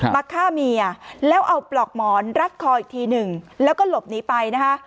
มาฆ่าเมียแล้วเอาปลอกหมอนรัดคออีกทีหนึ่งแล้วก็หลบหนีไปนะคะ